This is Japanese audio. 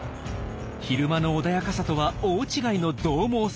昼間の穏やかさとは大違いのどう猛さ。